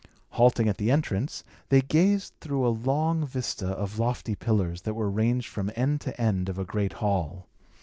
Halting at the entrance, they gazed through a long vista of lofty pillars that were ranged from end to end of a great hall.